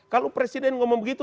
kalau presiden ngomong begitu